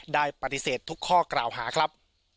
ได้ปฏิเสธทุกข้อกล่าวหาครับ